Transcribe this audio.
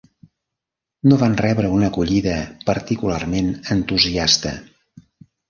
No van rebre una acollida particularment entusiasta.